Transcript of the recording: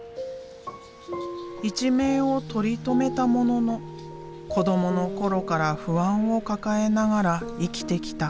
一命を取り留めたものの子どもの頃から不安を抱えながら生きてきた。